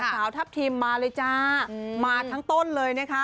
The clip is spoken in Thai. สาวทัพทิมมาเลยจ้ามาทั้งต้นเลยนะคะ